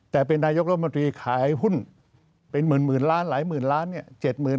แต่เป็นนายกรมดรีขายหุ้นเป็นมึนล้านหลายมึนล้านอย่างนี้